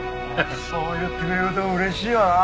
そう言ってくれると嬉しいよな。